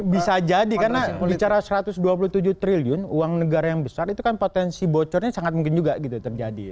bisa jadi karena bicara satu ratus dua puluh tujuh triliun uang negara yang besar itu kan potensi bocornya sangat mungkin juga gitu terjadi